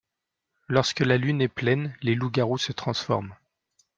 Lorsque la lune est pleine, les loups garous se transforment.